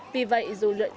vì vậy dù lựa chọn